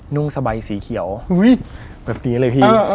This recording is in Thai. นุ่งสบายสีเขียวแบบนี้เลยพี่